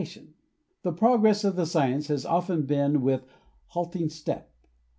INTRODUCTION xv The progress of the science has often been with a halt ing step.